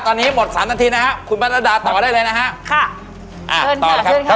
ตอนนี้หมดสามนาทีนะฮะคุณบรรดาต่อได้เลยนะฮะค่ะอ่า